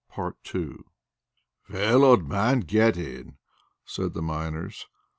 II "Well, old man, get in!" said the miners.